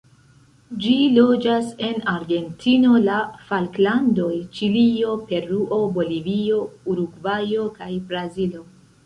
Ĝi loĝas en Argentino, la Falklandoj, Ĉilio, Peruo, Bolivio, Urugvajo, kaj Brazilo.